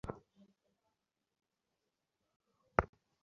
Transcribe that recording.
আমার বন্ধু গৌরমোহন, তাঁকে গোরা বলি।